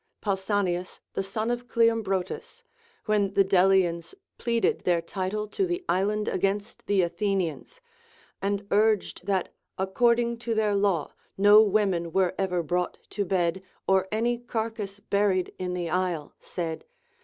Pausanias the son of Cleombrotus, Avhen the Delians pleaded theh* title to the island against the Athenians, and iirsed that accordins; to their law no women were ever brought to bed or any carcass buried in the isle, said.